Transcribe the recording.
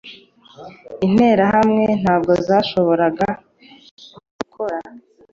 Interahamwe ntabwo zashoboraga gukora